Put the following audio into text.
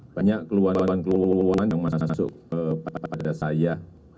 banyak keluaran keluaran yang masih masuk kepada saya